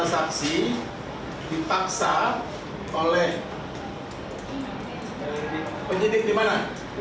jadi saudara saksi dipaksa oleh penyidik di mana